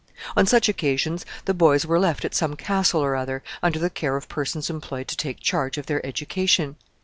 On such occasions the boys were left at some castle or other, under the care of persons employed to take charge of their education.